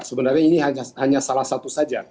sebenarnya ini hanya salah satu saja